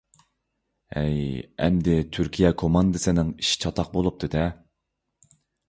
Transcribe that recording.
ھەي، ئەمدى تۈركىيە كوماندىسىنىڭ ئىشى چاتاق بولۇپتۇ-دە!